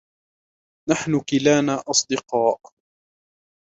نحن كلانا أصدقاء.